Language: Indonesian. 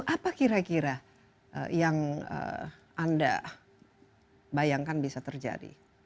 apa kira kira yang anda bayangkan bisa terjadi